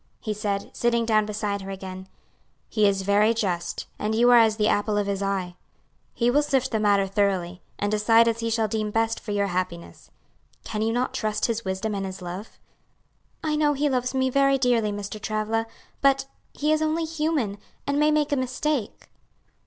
he said, sitting down beside her again, "he is very just, and you are as the apple of his eye. He will sift the matter thoroughly, and decide as he shall deem best for your happiness. Can you not trust his wisdom and his love?" "I know he loves me very dearly, Mr. Travilla, but he is only human, and may make a mistake."